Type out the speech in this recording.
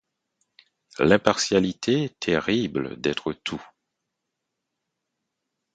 L’impartialité terrible d’être tout.